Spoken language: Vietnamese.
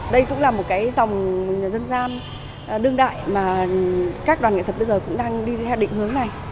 đây cũng là một cái dòng dân gian đương đại mà các đoàn nghệ thuật bây giờ cũng đang đi theo định hướng này